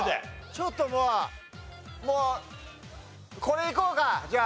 ちょっとまあもうこれいこうかじゃあ。